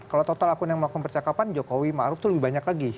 kalau total akun yang melakukan percakapan jokowi ma'ruf itu lebih banyak lagi